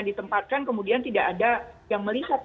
ditempatkan kemudian tidak ada yang melihat